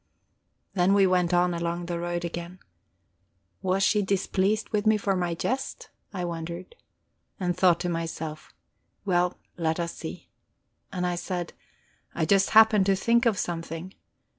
Then we went on along the road again. Was she displeased with me for my jest, I wondered? And thought to myself: Well, let us see. And I said: "I just happened to think of something.